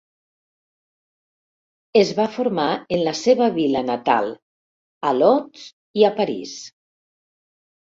Es va formar en la seva vila natal, a Lodz i a París.